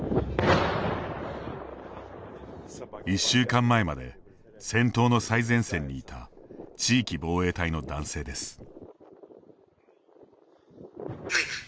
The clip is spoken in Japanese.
１週間前まで戦闘の最前線にいた、地域防衛隊の男性です。